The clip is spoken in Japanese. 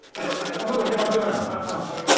まだ決まってないの？